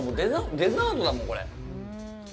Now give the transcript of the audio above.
デザートだもん、これ。